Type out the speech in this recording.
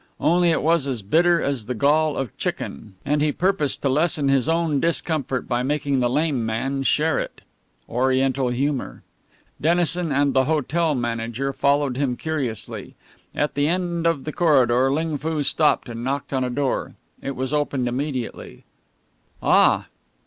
Only it was as bitter as the gall of chicken, and he purposed to lessen his own discomfort by making the lame man share it. Oriental humour. Dennison and the hotel manager followed him curiously. At the end of the corridor Ling Foo stopped and knocked on a door. It was opened immediately. "Ah!